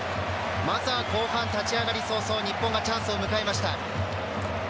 まずは後半、立ち上がり早々日本がチャンスを迎えました。